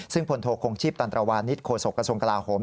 ซึ่งพลโทคงชีพตันตรวานิสโฆษกระทรวงกลาโหม